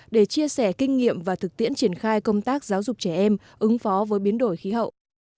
để chia sẻ kinh nghiệm và thực tiễn triển khai công tác giáo dục trẻ em ứng phó với biến đổi khí hậu